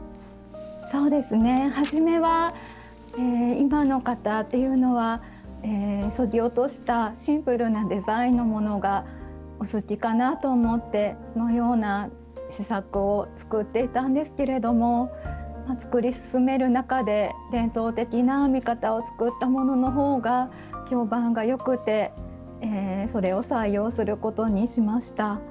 初めは今の方というのはそぎ落としたシンプルなデザインのものがお好きかなと思ってこのような試作を作っていたんですけれども作り進める中で伝統的な編み方を作ったものの方が評判がよくてそれを採用することにしました。